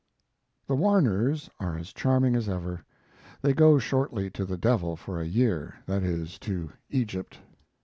The Warners are as charming as ever. They go shortly to the devil for a year that is, to Egypt.